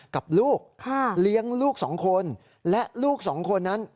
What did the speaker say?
กับลูกเลี้ยงลูกสองคนและลูกสองคนนั้น